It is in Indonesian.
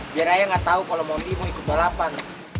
biar raya gak tau kalo mau ikut balapan